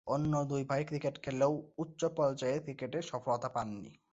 অন্য দুই ভাই ক্রিকেট খেললেও উচ্চ পর্যায়ের ক্রিকেটে সফলতা পাননি।